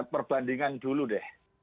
perbandingan dulu deh